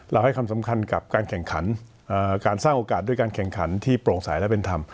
ให้ความสำคัญกับการแข่งขันการสร้างโอกาสด้วยการแข่งขันที่โปร่งสายและเป็นธรรม